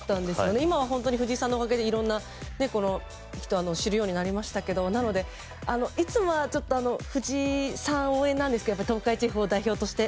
今は藤井さんのおかげでいろんな人を知るようになりましたけどいつもは藤井さんが上なんですけど東海地方代表として。